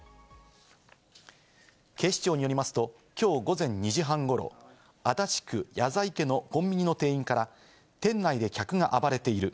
警視庁によりますと、きょう午前２時半ごろ、足立区谷在家のコンビニの店員から店内で客が暴れている。